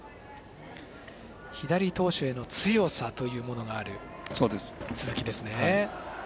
左投手への強さというものがある鈴木ですね。